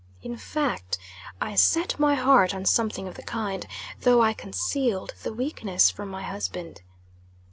In fact, I set my heart on something of the kind, though I concealed the weakness from my husband.